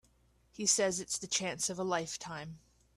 He says it's the chance of a lifetime.